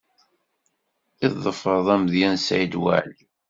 I tḍefreḍ amedya n Saɛid Waɛli?